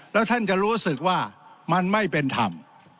แล้วท่านจะรู้สึกว่ามันไม่เป็นธรรม